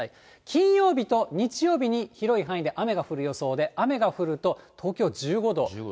金曜日と日曜日に、広い範囲で雨が降る予想で、雨が降ると、東京１５度。